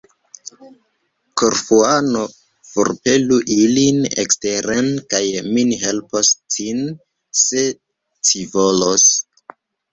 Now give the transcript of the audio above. Korfuano, forpelu ilin eksteren, kaj mi helpos cin, se ci volos!